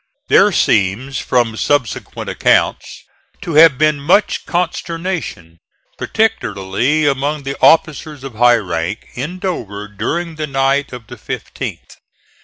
There seems from subsequent accounts to have been much consternation, particularly among the officers of high rank, in Dover during the night of the 15th.